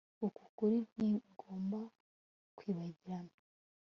Uku kuri ntigomba kwibagirana